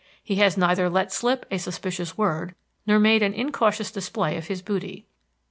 He has neither let slip a suspicious word, nor made an incautious display of his booty.